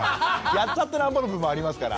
やっちゃってなんぼの部分もありますから。